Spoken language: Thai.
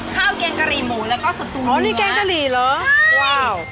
แกงกะหรี่หมูแล้วก็สตูนอ๋อนี่แกงกะหรี่เหรอใช่ว้าว